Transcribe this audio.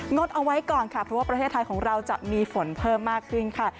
ดเอาไว้ก่อนค่ะเพราะว่าประเทศไทยของเราจะมีฝนเพิ่มมากขึ้นค่ะ